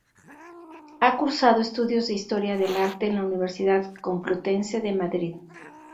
Ha cursado estudios de Historia del Arte, en la Universidad Complutense de Madrid.